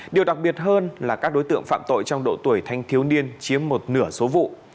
điều đặc biệt hơn là các đối tượng phạm tội trong độ tuổi thanh thiếu niên chiếm một nửa số vụ